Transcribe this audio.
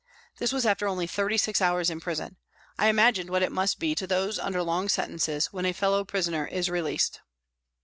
This was after only thirty six hours of prison, I imagined what it must be to those under long sentences when a fellow prisoner is released.